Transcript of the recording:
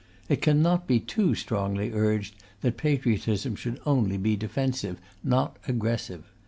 It cannot be too strongly urged that patriotism should be only defensive, not aggressive.